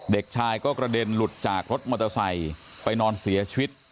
เด็กชายก็กระเด็นหลุดจากรถมอเตอร์ไซค์ไปนอนเสียชีวิต